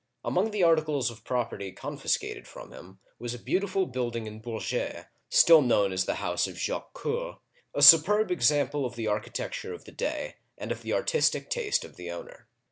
Among the articles of property confiscated from him was a beautiful building in Bourges (still known as the House of Jacques Coeur), a superb example of the architecture of the day, and of the artistic taste of the owner.